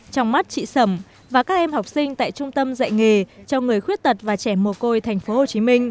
trong mắt chị sẩm và các em học sinh tại trung tâm dạy nghề cho người khuyết tật và trẻ mồ côi tp hcm